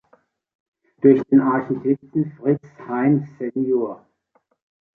Durch den Architekten Fritz Hain sen.